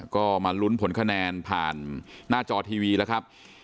ก็มาลุ้นผลคะแนนผ่านหน้าจอทีวีแล้วครับ